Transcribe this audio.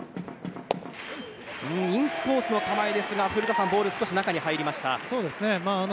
インコースの構えですが古田さんボール少し中に入りました。